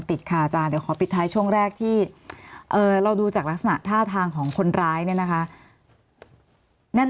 มีความรู้สึกว่ามีความรู้สึกว่ามีความรู้สึกว่ามีความรู้สึกว่ามีความรู้สึกว่า